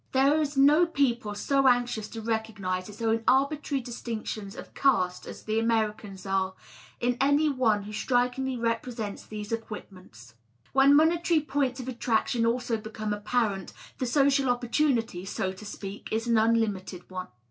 There is no people so anxious to recognize its own arbitrary distinctions of caste as the Americans are, in any one who strikingly represents these equipments. When monetary points of attraction also become apparent, the social opportunity, so to speak, is an unlimited one.